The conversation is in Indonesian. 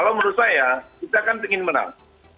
kalau menurut saya kita kan ingin menang